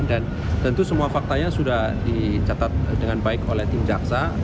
dan tentu semua faktanya sudah dicatat dengan baik oleh tim jaksa